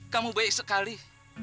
kamu baik sekali